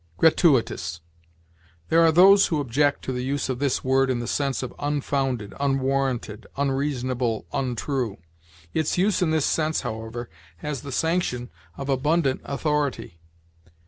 GRATUITOUS. There are those who object to the use of this word in the sense of unfounded, unwarranted, unreasonable, untrue. Its use in this sense, however, has the sanction of abundant authority.